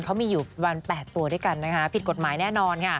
เขามีอยู่บรร๘ตัวด้วยกันผิดกฎหมายแน่นอน